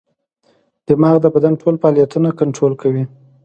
دماغ د بدن ټول فعالیتونه کنټرول کوي.